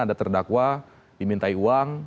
ada terdakwa dimintai uang